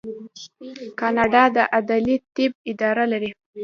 کاناډا د عدلي طب اداره لري.